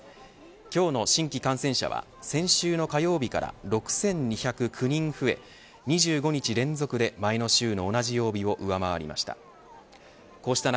今日の新規感染者は先週の火曜日から６２０９人増え２５日連続で前の週の同じ曜日を上回りました